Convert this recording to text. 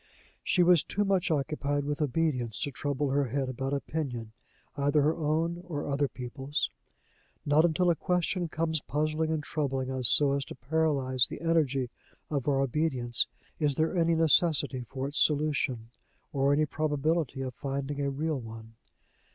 She was too much occupied with obedience to trouble her head about opinion, either her own or other people's. Not until a question comes puzzling and troubling us so as to paralyze the energy of our obedience is there any necessity for its solution, or any probability of finding a real one.